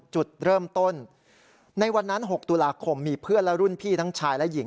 จุดเริ่มต้นในวันนั้น๖ตุลาคมมีเพื่อนและรุ่นพี่ทั้งชายและหญิง